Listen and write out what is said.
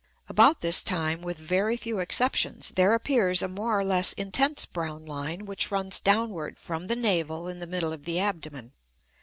About this time, with very few exceptions, there appears a more or less intense brown line which runs downward from the navel in the middle of the abdomen.